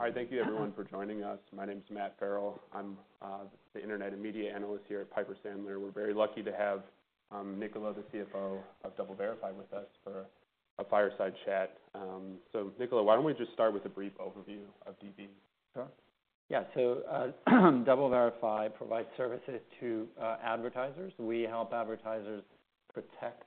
All right, thank you everyone for joining us. My name is Matt Farrell. I'm the Internet and Media Analyst here at Piper Sandler. We're very lucky to have Nicola, the CFO of DoubleVerify, with us for a fireside chat. So Nicola, why don't we just start with a brief overview of DV? Sure. Yeah, so DoubleVerify provides services to advertisers. We help advertisers protect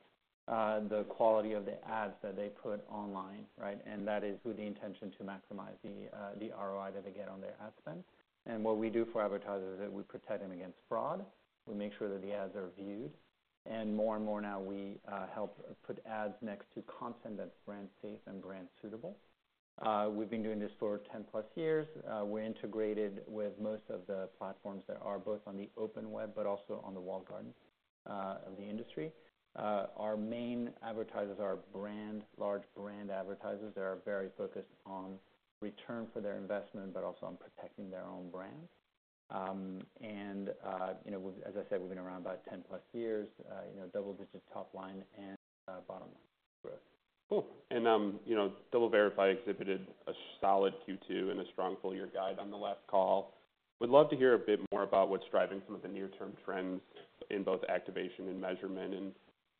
the quality of the ads that they put online, right, and that is with the intention to maximize the ROI that they get on their ad spend. What we do for advertisers is we protect them against fraud. We make sure that the ads are viewed, and more and more now we help put ads next to content that's brand safe and brand suitable. We've been doing this for ten plus years. We're integrated with most of the platforms that are both on the open web, but also on the walled garden of the industry. Our main advertisers are brand, large brand advertisers that are very focused on return for their investment, but also on protecting their own brands. You know, as I said, we've been around about 10-plus years, you know, double-digit top line and bottom line growth. Cool. And, you know, DoubleVerify exhibited a solid Q2 and a strong full year guide on the last call. Would love to hear a bit more about what's driving some of the near-term trends in both activation and measurement, and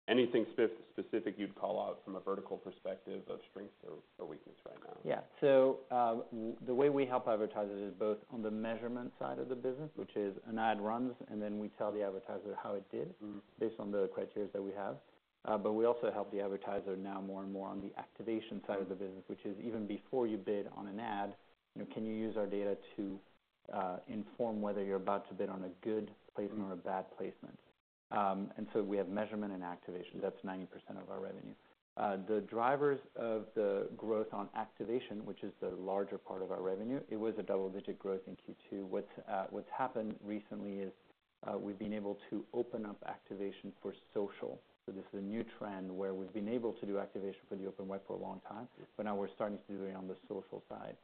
anything specific you'd call out from a vertical perspective of strengths or weakness right now? Yeah. The way we help advertisers is both on the measurement side of the business, which is an ad runs, and then we tell the advertiser how it did. Based on the criteria that we have, but we also help the advertiser now more and more on the activation side of the business, which is even before you bid on an ad, you know, can you use our data to inform whether you're about to bid on a good placement or a bad placement, and so we have measurement and activation. That's 90% of our revenue. The drivers of the growth on activation, which is the larger part of our revenue, it was a double-digit growth in Q2. What's happened recently is, we've been able to open up activation for social, so this is a new trend where we've been able to do activation for the open web for a long time, but now we're starting to do it on the social side. And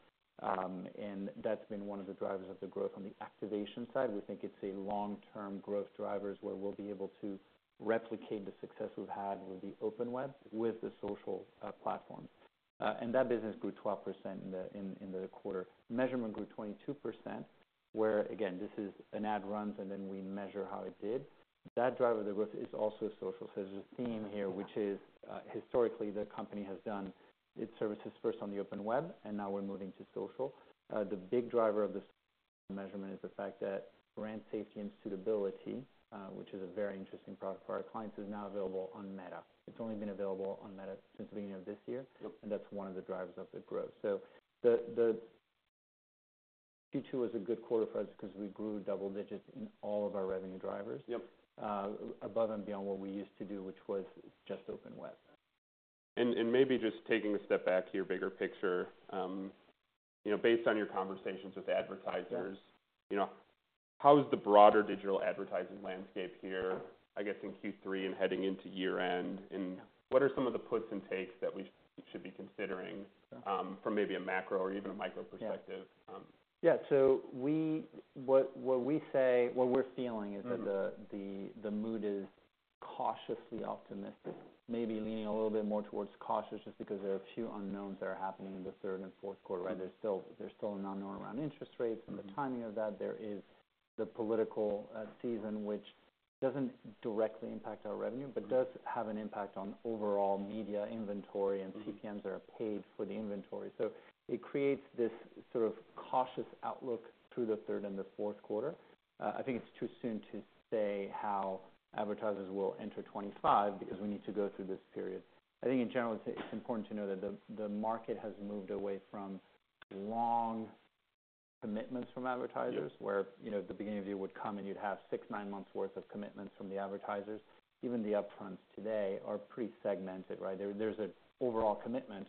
that's been one of the drivers of the growth on the activation side. We think it's a long-term growth drivers, where we'll be able to replicate the success we've had with the open web, with the social platforms. And that business grew 12% in the quarter. Measurement grew 22%, where, again, this is an ad runs, and then we measure how it did. That driver of the growth is also social. So there's a theme here, which is, historically, the company has done its services first on the open web, and now we're moving to social. The big driver of this measurement is the fact that brand safety and suitability, which is a very interesting product for our clients, is now available on Meta. It's only been available on Meta since the beginning of this year. And that's one of the drivers of the growth. So Q2 was a good quarter for us because we grew double digits in all of our revenue drivers. Above and beyond what we used to do, which was just Open Web. Maybe just taking a step back to your bigger picture, you know, based on your conversations with advertisers, you know, how is the broader digital advertising landscape here, I guess, in Q3 and heading into year-end? And what are some of the puts and takes that we should be considering, from maybe a macro or even a micro perspective? Yeah. So what we say, what we're feeling is- that the mood is cautiously optimistic, maybe leaning a little bit more towards cautious, just because there are a few unknowns that are happening in the third and fourth quarter, right? There's still an unknown around interest rates and the timing of that. There is the political season, which doesn't directly impact our revenue- but does have an impact on overall media inventory, and CPMs are paid for the inventory. So it creates this sort of cautious outlook through the third and the fourth quarter. I think it's too soon to say how advertisers will enter 2025, because we need to go through this period. I think in general, it's important to know that the market has moved away from long commitments from advertisers. Where, you know, at the beginning of the year would come, and you'd have six, nine months worth of commitments from the advertisers. Even the upfronts today are pretty segmented, right? There's an overall commitment,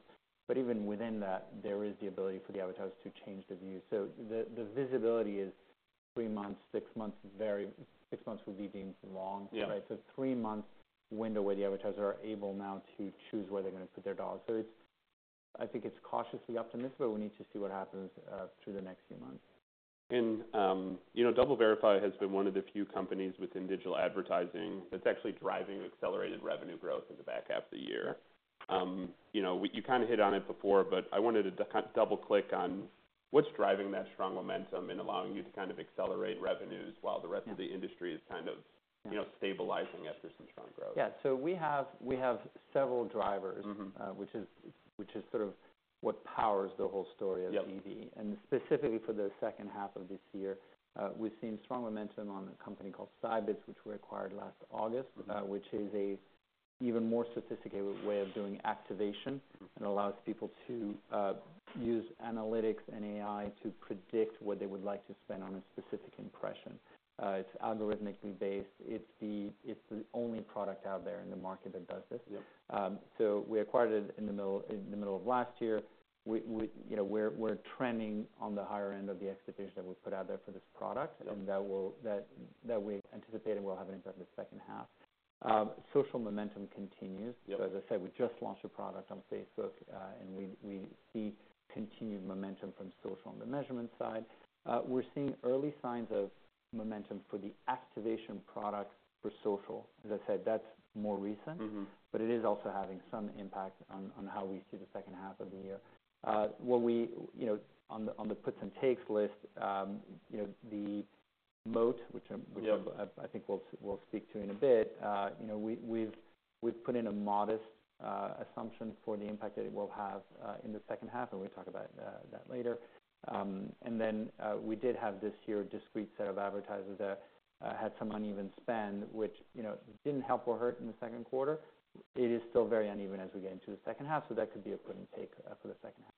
but even within that, there is the ability for the advertisers to change the view. So the visibility is three months, six months, vary. Six months would be deemed long. Right? So three months window, where the advertisers are able now to choose where they're gonna put their dollars. So it's. I think it's cautiously optimistic, but we need to see what happens through the next few months. You know, DoubleVerify has been one of the few companies within digital advertising- That's actually driving accelerated revenue growth in the back half of the year. You know, you kind of hit on it before, but I wanted to double-click on what's driving that strong momentum and allowing you to kind of accelerate revenues while the rest of the industry - is kind of, you know, stabilizing after some strong growth? Yeah, so we have several drivers, which is sort of what powers the whole story of DV. Specifically for the second half of this year, we've seen strong momentum on a company called Scibids, which we acquired last August. Which is an even more sophisticated way of doing activation. It allows people to use analytics and AI to predict what they would like to spend on a specific impression. It's algorithmically based. It's the only product out there in the market that does this. So we acquired it in the middle of last year. You know, we're trending on the higher end of the expectation that we put out there for this product and that will we anticipate and will have an impact in the second half. Social momentum continues. So as I said, we just launched a product on Facebook, and we see continued momentum from social on the measurement side. We're seeing early signs of momentum for the activation product for social. As I said, that's more recent but it is also having some impact on how we see the second half of the year. You know, on the puts and takes list, you know, the Moat, which I'm -which I think we'll speak to in a bit. You know, we've put in a modest assumption for the impact that it will have in the second half, and we'll talk about that later, and then we did have this year, a discrete set of advertisers that had some uneven spend, which, you know, didn't help or hurt in the second quarter. It is still very uneven as we get into the second half, so that could be a give-and-take for the second half.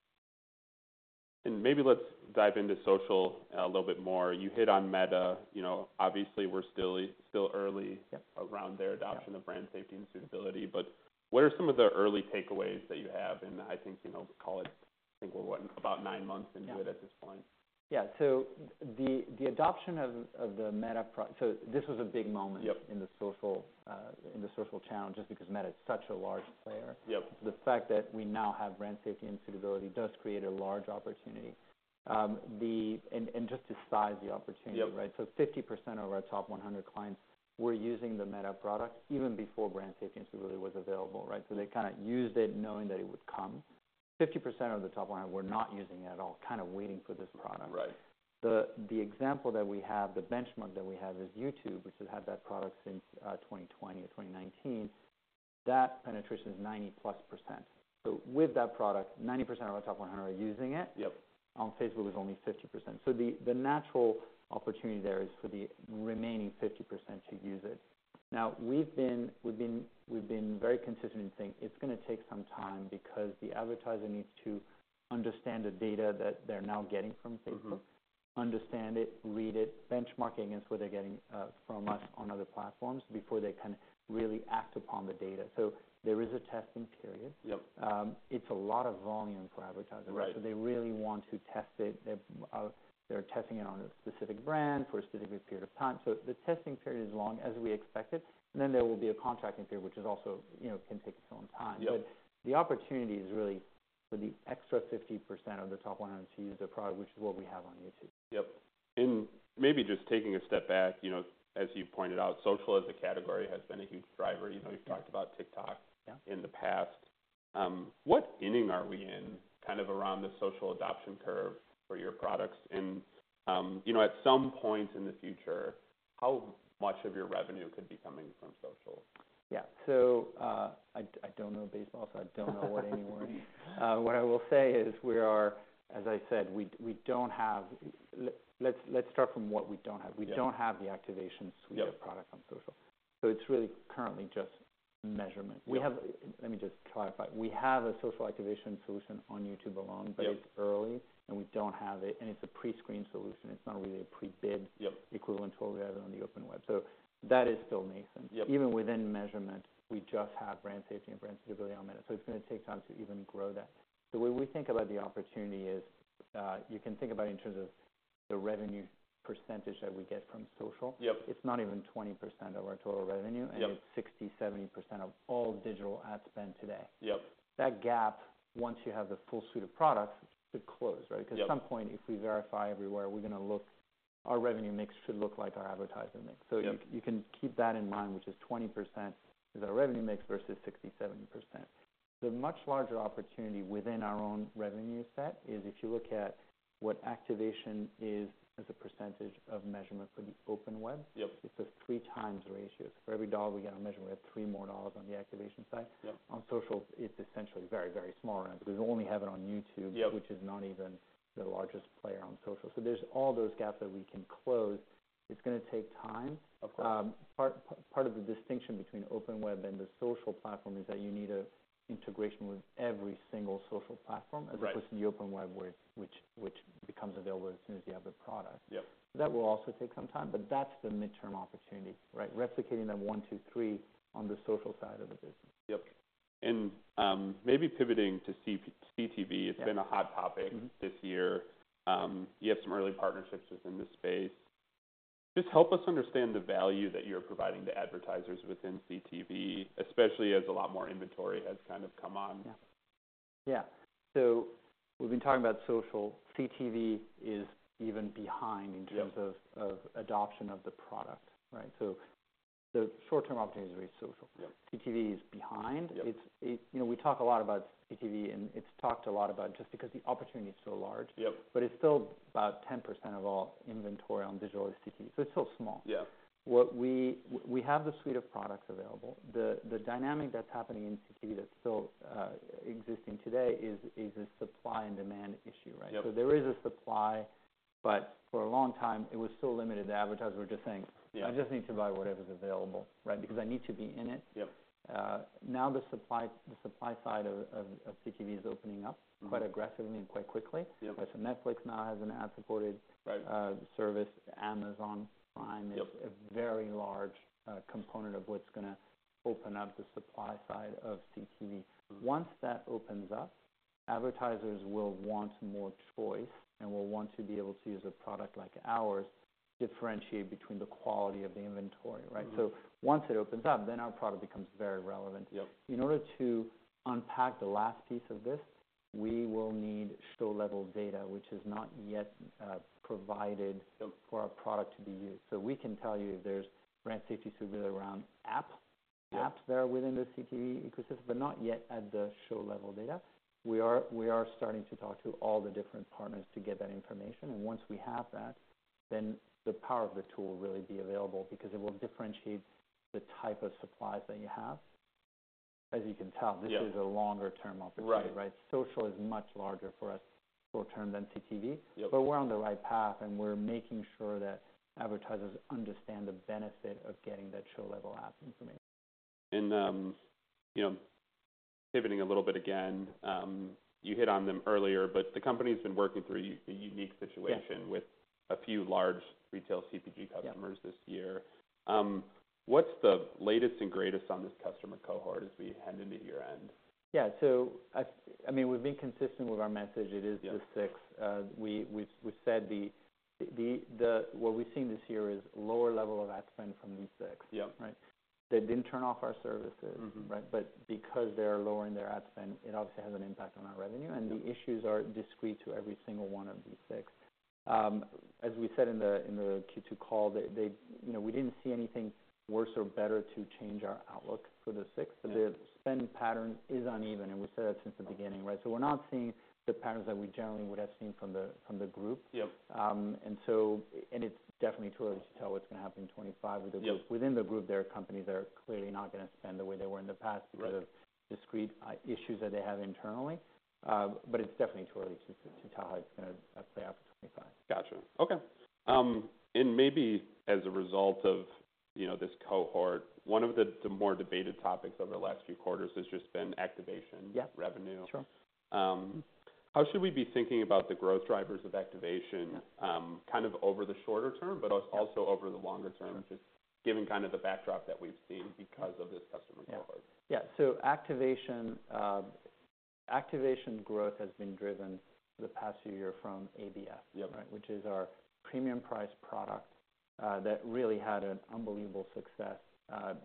Maybe let's dive into social a little bit more. You hit on Meta. You know, obviously, we're still early around their adoption of brand safety and suitability, but what are some of the early takeaways that you have? And I think, you know, call it. I think we're what, about nine months into it at this point. Yeah. So the adoption of the Meta pro. So this was a big moment in the social challenge, just because Meta is such a large player. The fact that we now have brand safety and suitability does create a large opportunity. And just to size the opportunity, right? So 50% of our top 100 clients were using the Meta product even before brand safety and suitability was available, right? So they kind of used it knowing that it would come. 50% of the top 100 were not using it at all, kind of, waiting for this product. The example that we have, the benchmark that we have, is YouTube, which has had that product since 2020 or 2019. That penetration is 90+%. So with that product, 90% of our top 100 are using it. On Facebook, it's only 50%. So the natural opportunity there is for the remaining 50% to use it. Now, we've been very consistent in saying it's gonna take some time because the advertiser needs to understand the data that they're now getting from Facebook. Understand it, read it, benchmark it against what they're getting from us on other platforms before they can really act upon the data. So there is a testing period. It's a lot of volume for advertisers. So they really want to test it. They've, they're testing it on a specific brand for a specific period of time. So the testing period is long, as we expected, and then there will be a contracting period, which is also, you know, can take its own time. But the opportunity is really for the extra 50% of the top 100 to use their product, which is what we have on YouTube. Yep. And maybe just taking a step back, you know, as you pointed out, social as a category has been a huge driver. You know, we've talked about TikTok, in the past. What inning are we in, kind of, around the social adoption curve for your products? And, you know, at some point in the future, how much of your revenue could be coming from social? Yeah. So, I don't know baseball, so I don't know what inning we're in. What I will say is, we are.. As I said, we don't have. Let's start from what we don't have. We don't have the activation suite of product on social, so it's really currently just measurement. We have. Let me just clarify. We have a social activation solution on YouTube alone but it's early, and we don't have it, and it's a pre-screen solution. It's not really a pre-bid equivalent to what we have on the Open Web. So that is still nascent. Even within measurement, we just have brand safety and brand suitability on Meta, so it's gonna take time to even grow that. The way we think about the opportunity is, you can think about it in terms of the revenue percentage that we get from social. It's not even 20% of our total revenue It's 60%-70% of all digital ad spend today. That gap, once you have the full suite of products, should close, right? 'Cause at some point, if we verify everywhere, we're gonna look... Our revenue mix should look like our advertising mix. So you can keep that in mind, which is 20% is our revenue mix versus 60%-70%. The much larger opportunity within our own revenue set is, if you look at what activation is as a percentage of measurement for the open web. it's a three times ratio. For every dollar we get on measurement, we have three more dollars on the activation side. On social, it's essentially very, very small, and we only have it on YouTube, which is not even the largest player on social. So there's all those gaps that we can close. It's gonna take time. Of course. Part of the distinction between open web and the social platform is that you need an integration with every single social platform as opposed to the Open Web, where which becomes available as soon as you have the product. That will also take some time, but that's the midterm opportunity, right? Replicating that one, two, three on the social side of the business. Yep. And maybe pivoting to CTV. It's been a hot topic. This year. You have some early partnerships within this space. Just help us understand the value that you're providing to advertisers within CTV, especially as a lot more inventory has, kind of, come on? Yeah. Yeah. So we've been talking about social. CTV is even behind in terms of- of adoption of the product, right? So the short-term opportunity is really social. CTV is behind. You know, we talk a lot about CTV, and it's talked a lot about just because the opportunity is so large. But it's still about 10% of all inventory on digital CTV, so it's still small. What we have the suite of products available. The dynamic that's happening in CTV that's still existing today is a supply and demand issue, right? So there is a supply, but for a long time, it was so limited, the advertisers were just saying- I just need to buy whatever's available, right? Because I need to be in it. Now, the supply side of CTV is opening up. Quite aggressively and quite quickly. So Netflix now has an ad-supported service. Amazon Prime is a very large, component of what's gonna open up the supply side of CTV. Once that opens up, advertisers will want more choice and will want to be able to use a product like ours, differentiate between the quality of the inventory, right? Once it opens up, then our product becomes very relevant. In order to unpack the last piece of this, we will need show-level data, which is not yet provided for our product to be used. So we can tell you if there's brand safety suitability around apps that are within the CTV ecosystem, but not yet at the show level data. We are starting to talk to all the different partners to get that information, and once we have that, then the power of the tool will really be available because it will differentiate the type of supplies that you have. As you can tell- This is a longer-term opportunity, right? Social is much larger for us short term than CTV. But we're on the right path, and we're making sure that advertisers understand the benefit of getting that show-level data. You know, pivoting a little bit again, you hit on them earlier, but the company's been working through a unique situation with a few large retail CPG customers this year. What's the latest and greatest on this customer cohort as we head into year-end? Yeah. So I mean, we've been consistent with our message. It is the six. What we've seen this year is lower level of ad spend from these six. Right? They didn't turn off our services. Right? But because they are lowering their ad spend, it obviously has an impact on our revenue. The issues are discrete to every single one of these six. As we said in the Q2 call, they, you know, we didn't see anything worse or better to change our outlook for the six. The spend pattern is uneven, and we've said that since the beginning, right? So we're not seeing the patterns that we generally would have seen from the group. It's definitely too early to tell what's gonna happen in 2025 with the group. Within the group, there are companies that are clearly not gonna spend the way they were in the past, because of discrete issues that they have internally. But it's definitely too early to tell how it's gonna play out in 2025. Gotcha. Okay, and maybe as a result of, you know, this cohort, one of the more debated topics over the last few quarters has just been activation revenue. Sure. How should we be thinking about the growth drivers of activation. Kind of over the shorter term, but also over the longer term Sure Just given kind of the backdrop that we've seen because of this customer cohort? So activation growth has been driven the past few year from ABS-Right? Which is our premium priced product that really had an unbelievable success.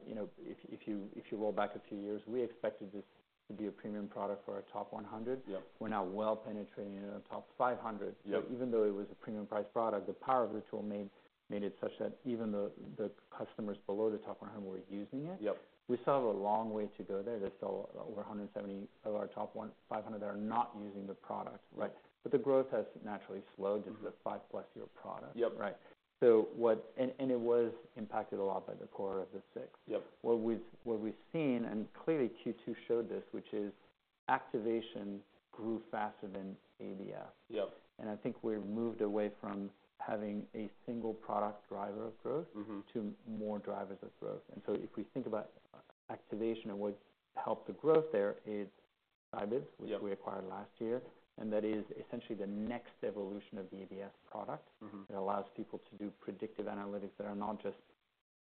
You know, if, if you, if you roll back a few years, we expected this to be a premium product for our top 100. We're now well penetrating in our top 500. So even though it was a premium priced product, the power of the tool made it such that even the customers below the top 100 were using it. We still have a long way to go there. There's still over 170 of our top 1,500 that are not using the product, right? But the growth has naturally slowed because it's a five-plus-year product. Right, so what... And it was impacted a lot by the core of the six. What we've seen, and clearly Q2 showed this, which is activation grew faster than ABS. I think we've moved away from having a single product driver of growth to more drivers of growth. And so if we think about activation and what's helped the growth there is Scibids, which we acquired last year, and that is essentially the next evolution of the ABS product. It allows people to do predictive analytics that are not just,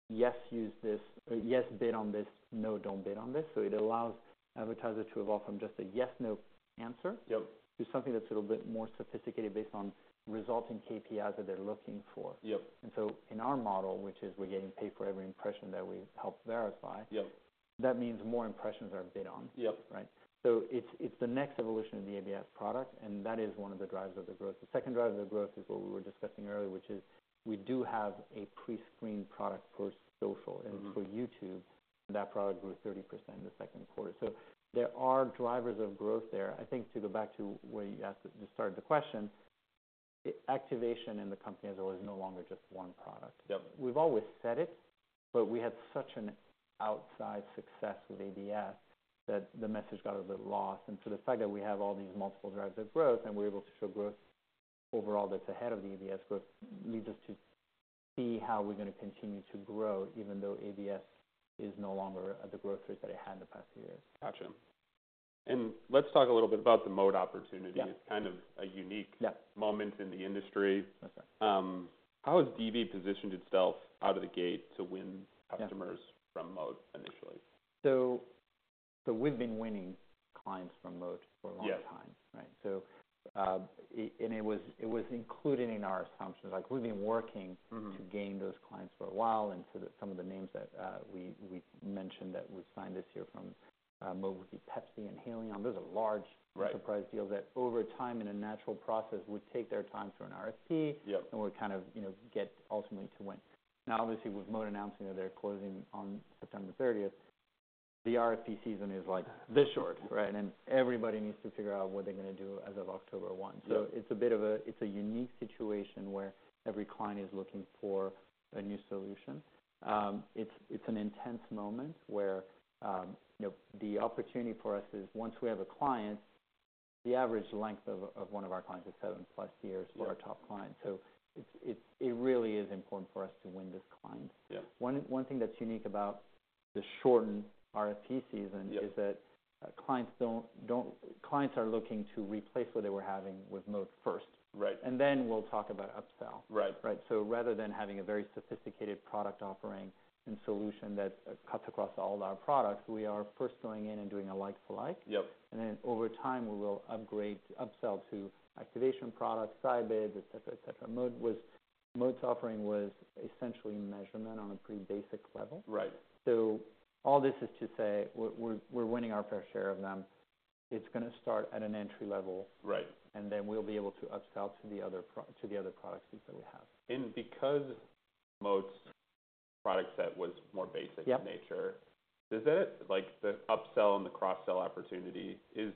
"Yes, use this," or, "Yes, bid on this," "No, don't bid on this." So it allows advertisers to evolve from just a yes, no answer to something that's a little bit more sophisticated based on resulting KPIs that they're looking for. And so in our model, which is we're getting paid for every impression that we help verify, that means more impressions are bid on. Right? So it's the next evolution of the ABS product, and that is one of the drivers of the growth. The second driver of the growth is what we were discussing earlier, which is we do have a pre-screened product for social. And for YouTube, that product grew 30% in the second quarter. So there are drivers of growth there. I think to go back to where you asked at the start of the question, activation in the company as well is no longer just one product. We've always said it, but we had such an outsized success with ABS, that the message got a bit lost, and so the fact that we have all these multiple drivers of growth, and we're able to show growth overall that's ahead of the ABS growth, leads us to see how we're gonna continue to grow, even though ABS is no longer at the growth rates that it had in the past few years. Gotcha. And let's talk a little bit about the Moat opportunity. It's kind of a unique moment in the industry. That's right. How has DV positioned itself out of the gate to win customers from Moat initially? So, we've been winning clients from Moat for a long time. Right? So, and it was, it was included in our assumptions, like, we've been working to gain those clients for a while, and so some of the names that we mentioned that we've signed this year from Moat would be Pepsi and Haleon. Those are large enterprise deals that, over time, in a natural process, would take their time through an RFP. And we're kind of, you know, get ultimately to win. Now, obviously, with Moat announcing that they're closing on September thirtieth, the RFP season is, like, this short, right? Everybody needs to figure out what they're gonna do as of October one. So it's a unique situation where every client is looking for a new solution. It's an intense moment where, you know, the opportunity for us is, once we have a client, the average length of one of our clients is seven plus years or our top clients. So it really is important for us to win this client. One thing that's unique about the shortened RFP season is that, clients don't - clients are looking to replace what they were having with Moat first. Right. And then we'll talk about upsell. So rather than having a very sophisticated product offering and solution that cuts across all our products, we are first going in and doing a like for like. And then over time, we will upgrade, upsell to activation products, Scibids, et cetera, et cetera. Moat's offering was essentially measurement on a pretty basic level. So all this is to say, we're winning our fair share of them.... It's gonna start at an entry level. And then we'll be able to upsell to the other products suite that we have. Because Moat's product set was more basic in nature, isn't it, like, the upsell and the cross-sell opportunity, is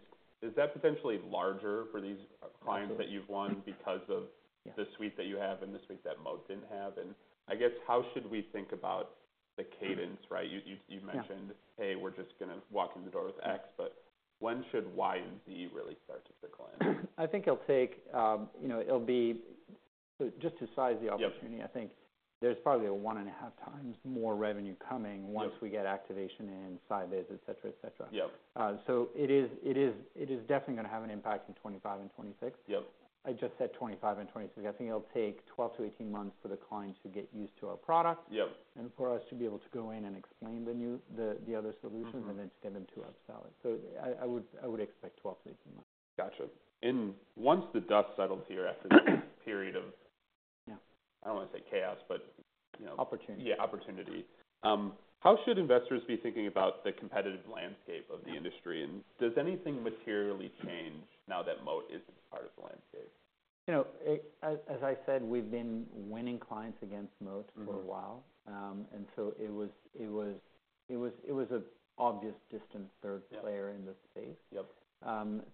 that potentially larger for these clients that you've won because of the suite that you have and the suite that Moat didn't have? And I guess, how should we think about the cadence, right? You mentioned, we're just gonna walk in the door with X," but when should Y and Z really start to trickle in? I think it'll take, you know, it'll be. Just to size the opportunity. I think there's probably a one and a half times more revenue coming once we get activation inside SciBids, et cetera, et cetera. So it is definitely gonna have an impact in 2025 and 2026. I just said 2025 and 2026. I think it'll take 12 to 18 months for the clients to get used to our product and for us to be able to go in and explain the new, the other solutions and then to get them to upsell it. So I would expect 12-18 months. Gotcha. And once the dust settles here after this period of I don't want to say chaos, but, you know- Opportunity. Yeah, opportunity. How should investors be thinking about the competitive landscape of the industry, and does anything materially change now that Moat isn't part of the landscape? You know, as I said, we've been winning clients against Moat for a while. And so it was an obvious distant third player in the space.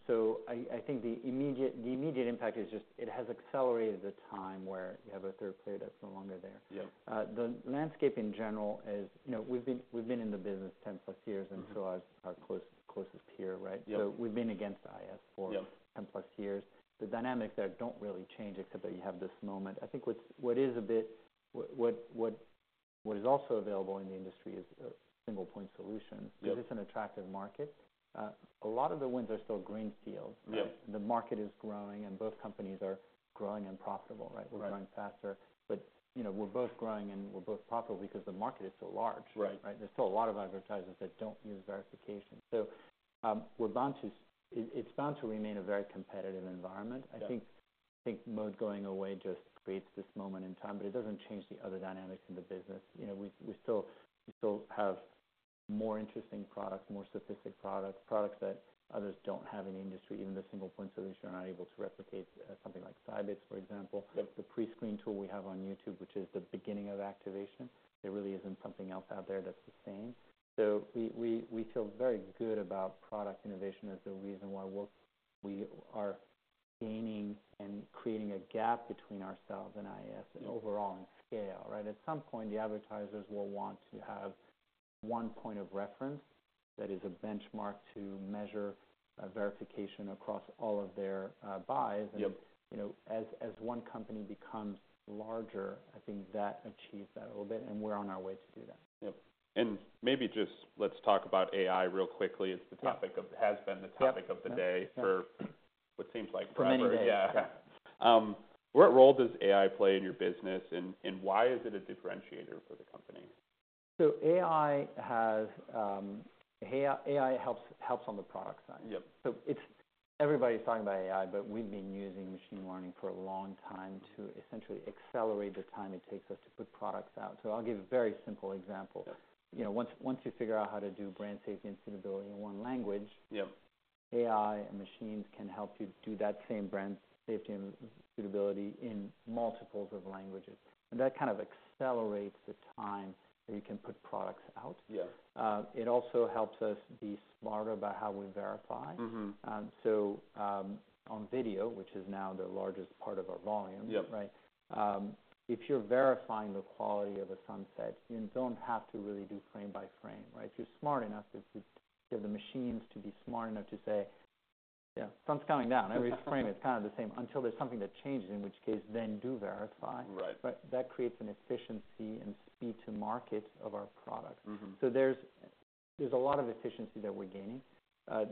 So I think the immediate impact is just it has accelerated the time where you have a third player that's no longer there. The landscape in general is, you know, we've been in the business ten plus years and so has our closest peer, right? So we've been against IAS for ten plus years. The dynamics there don't really change, except that you have this moment. I think what's a bit... What is also available in the industry is a single point solution. It's an attractive market. A lot of the wins are still green fields. The market is growing, and both companies are growing and profitable, right? We're growing faster, but, you know, we're both growing and we're both profitable because the market is so large. Right? There's still a lot of advertisers that don't use verification, so, we're bound to. It's bound to remain a very competitive environment. I think Moat going away just creates this moment in time, but it doesn't change the other dynamics in the business. You know, we still have more interesting products, more sophisticated products, products that others don't have in the industry. Even the single point solutions are unable to replicate something like Scibids, for example. The pre-screen tool we have on YouTube, which is the beginning of activation, there really isn't something else out there that's the same. So we feel very good about product innovation as the reason why we're gaining and creating a gap between ourselves and IAS. and overall in scale, right? At some point, the advertisers will want to have one point of reference that is a benchmark to measure verification across all of their buys. You know, as one company becomes larger, I think that achieves that a little bit, and we're on our way to do that. Yep, and maybe just let's talk about AI real quickly. It's the topic of... It has been the topic of the day for what seems like forever. For many days. Yeah. What role does AI play in your business, and why is it a differentiator for the company? So AI helps on the product side. So it's everybody's talking about AI, but we've been using machine learning for a long time to essentially accelerate the time it takes us to put products out. So I'll give a very simple example: You know, once you figure out how to do brand safety and suitability in one language. AI and machines can help you do that same brand safety and suitability in multiples of languages, and that kind of accelerates the time that you can put products out. It also helps us be smarter about how we verify. So, on video, which is now the largest part of our volume right? If you're verifying the quality of a sunset, you don't have to really do frame by frame, right? If you're smart enough to get the machines to be smart enough to say, "Yeah, sun's going down." Every frame is kind of the same, until there's something that changes, in which case then do verify. But that creates an efficiency and speed to market of our product. There's a lot of efficiency that we're gaining.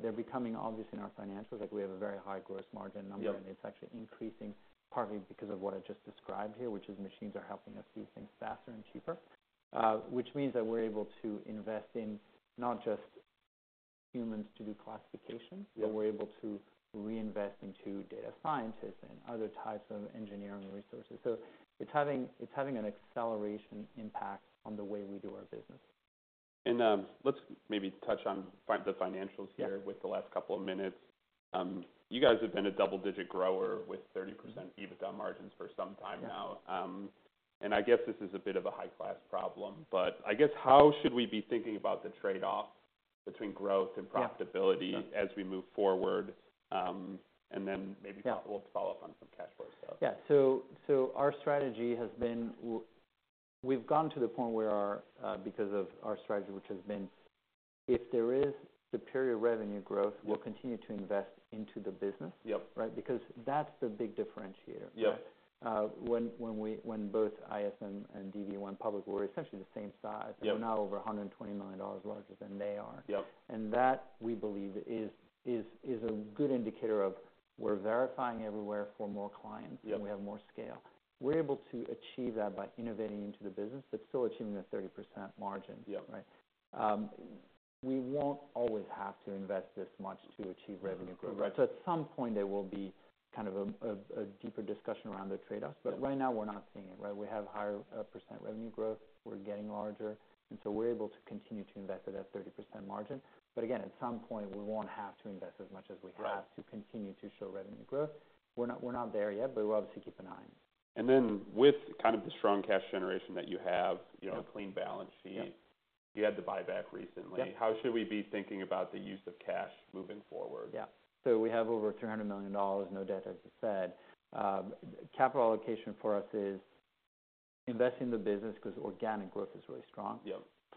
They're becoming obvious in our financials, like we have a very high gross margin number and it's actually increasing, partly because of what I just described here, which is machines are helping us do things faster and cheaper. Which means that we're able to invest in not just humans to do classification but we're able to reinvest into data scientists and other types of engineering resources. So it's having an acceleration impact on the way we do our business. Let's maybe touch on the financials here with the last couple of minutes. You guys have been a double-digit grower with 30% EBITDA margins for some time now. And I guess this is a bit of a high-class problem, but I guess, how should we be thinking about the trade-off between growth and profitability as we move forward? And then maybe, we'll follow up on some cash flow stuff. Our strategy has been. We've gotten to the point where, because of our strategy, which has been, if there is superior revenue growth, we'll continue to invest into the business. Right? Because that's the big differentiator. When both IAS and DV public were essentially the same size, we're now over $120 million larger than they are. That, we believe, is a good indicator of where we're verifying everywhere for more clients. And we have more scale. We're able to achieve that by innovating into the business, but still achieving a 30% margin. Right? We won't always have to invest this much to achieve revenue growth. Correct. At some point, there will be kind of a deeper discussion around the trade-offs, but right now, we're not seeing it, right? We have higher percent revenue growth. We're getting larger, and so we're able to continue to invest at that 30% margin. But again, at some point, we won't have to invest as much as we have to continue to show revenue growth. We're not, we're not there yet, but we obviously keep an eye on it. And then, with kind of the strong cash generation that you have- you know, a clean balance sheet. You had the buyback recently. How should we be thinking about the use of cash moving forward? Yeah, so we have over $300 million, no debt, as I said. Capital allocation for us is invest in the business because organic growth is really strong.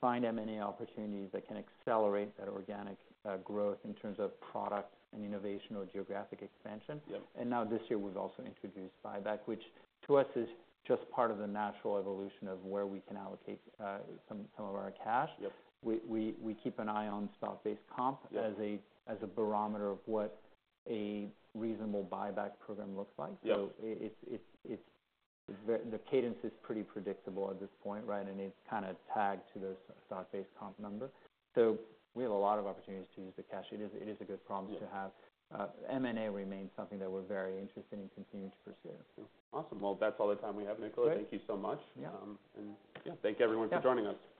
Find M&A opportunities that can accelerate that organic growth in terms of product and innovation or geographic expansion. And now this year, we've also introduced buyback, which to us is just part of the natural evolution of where we can allocate some of our cash. We keep an eye on stock-based comp, as a barometer of what a reasonable buyback program looks like. The cadence is pretty predictable at this point, right? It's kind of tagged to the stock-based comp number. We have a lot of opportunities to use the cash. It is a good problem to have. M&A remains something that we're very interested in continuing to pursue. Awesome. Well, that's all the time we have, Nicola. Great. Thank you so much. Yeah. Yeah, thank everyone for joining us.